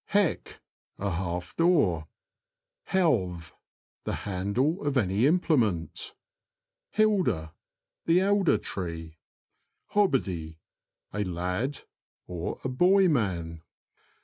Heck. — A half door. Helve. — The handle of any implement. HiLDER. — The elder tree. HOBBIDY. — A lad, a boy man.